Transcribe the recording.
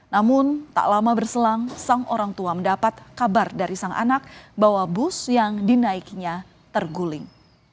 namun tak lama berselang sang orang tua mendapat kabar dari sang anak bahwa bus yang dinaikinya terguling